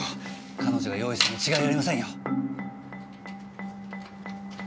彼女が用意したに違いありませんよ。